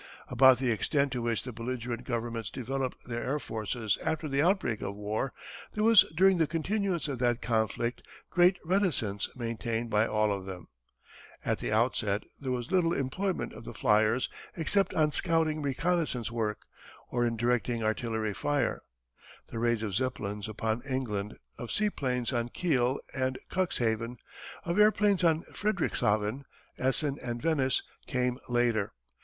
About the extent to which the belligerent governments developed their air forces after the outbreak of war there was during the continuance of that conflict great reticence maintained by all of them. At the outset there was little employment of the flyers except on scouting reconnaissance work, or in directing artillery fire. The raids of Zeppelins upon England, of seaplanes on Kiel and Cuxhaven, of airplanes on Friedrichshaven, Essen, and Venice came later.